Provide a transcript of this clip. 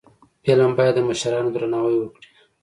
فلم باید د مشرانو درناوی وکړي